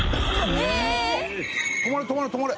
止まれ止まれ止まれ！